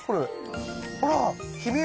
ほら！